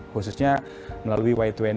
khususnya melalui ydn